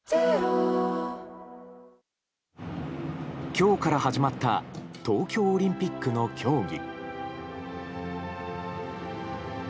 今日から始まった東京オリンピックの競技。